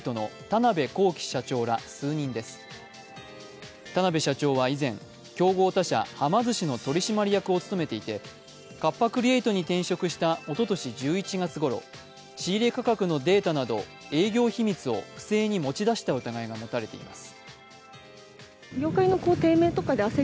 田辺社長は以前、競合他社、はま寿司の取締役を務めていてカッパ・クリエイトに転職したおととい１１月ごろ、仕入価格のデータなど営業秘密を不正に持ち出した疑いが持たれています。